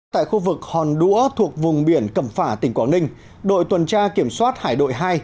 tại khu vực hòn đũa thuộc vùng biển cẩm phả tỉnh quảng ninh đội tuần tra kiểm soát hải đội hai